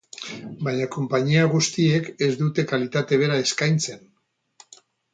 Baina konpainia guztiek ez dute kalitate bera eskaintzen.